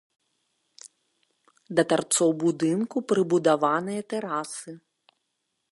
Да тарцоў будынку прыбудаваныя тэрасы.